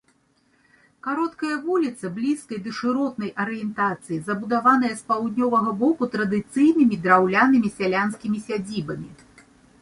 Кароткая вуліца блізкай да шыротнай арыентацыі забудаваная з паўднёвага боку традыцыйнымі драўлянымі сялянскімі сядзібамі.